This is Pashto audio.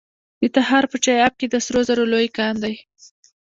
د تخار په چاه اب کې د سرو زرو لوی کان دی.